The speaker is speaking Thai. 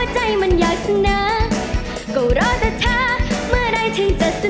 ใช่